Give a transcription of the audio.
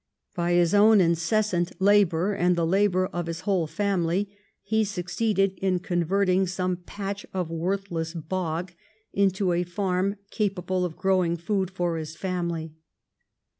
By his own incessant labor and the labor of his whole family he succeeded in converting some patch of worthless bog into a farm capable of grow ing food for his family.